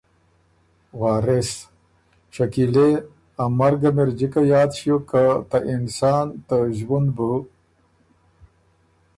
وارث: شکیلے! ا مرګم اِر جِکه یاد ݭیوک که ته انسان ته ݫوُند بُو